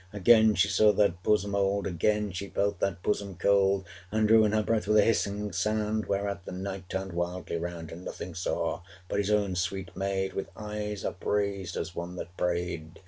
Again she saw that bosom old, Again she felt that bosom cold, And drew in her breath with a hissing sound: Whereat the Knight turned wildly round, 460 And nothing saw, but his own sweet maid With eyes upraised, as one that prayed.